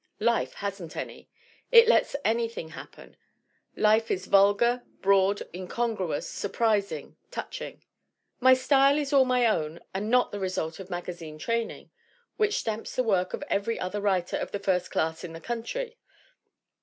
Life hasn't any. It lets anything happen. Life is vulgar, broad, incongruous, surprising, touching. "My style is all my own, and not the result of maga zine training which stamps the work of every other writer of the first class in the country."